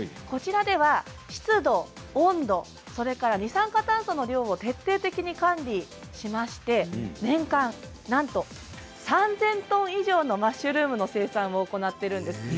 こちらでは湿度、温度、それから二酸化炭素の量を徹底的に管理しまして年間なんと３０００トン以上のマッシュルームの生産を行っています。